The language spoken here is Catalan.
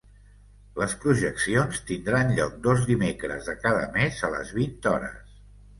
Les projeccions tindran lloc dos dimecres de cada mes a les vint hores.